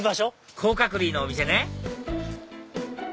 甲殻類のお店ね